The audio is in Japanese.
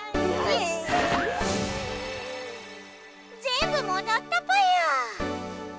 全部もどったぽよ！